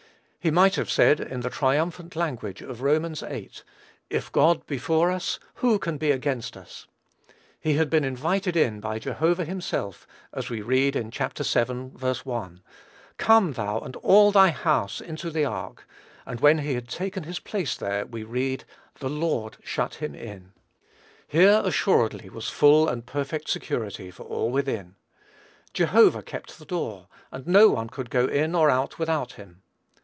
He might have said, in the triumphant language of Romans viii., "If God be for us, who can be against us?" He had been invited in by Jehovah himself, as we read in Chapter vii. 1, "Come thou and all thy house into the ark;" and when he had taken his place there, we read, "the Lord shut him in." Here, assuredly, was full and perfect security for all within. Jehovah kept the door, and no one could go in or out without him.